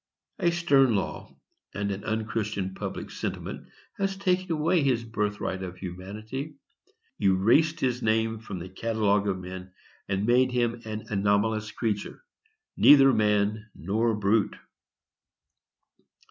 A stern law and an unchristian public sentiment has taken away his birthright of humanity, erased his name from the catalogue of men, and made him an anomalous creature—neither man nor brute.